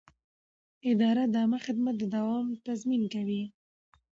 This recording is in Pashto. اداره د عامه خدمت د دوام تضمین کوي.